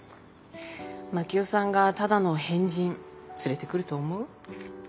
真樹夫さんがただの変人連れてくると思う？